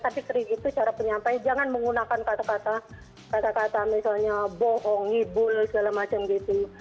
tapi sering itu cara penyampai jangan menggunakan kata kata misalnya bohong ngibul segala macam gitu